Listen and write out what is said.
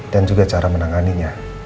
dan juga cara menanganinya